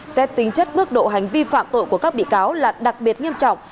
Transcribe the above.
xét tính chất mức độ hành vi phạm tội của các bị cáo là đặc biệt nghiêm trọng